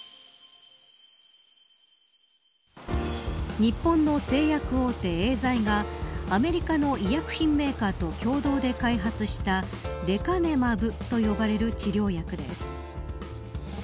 日本の製薬大手エーザイがアメリカの医薬品メーカーと共同で開発したレカネマブと呼ばれる治療薬です。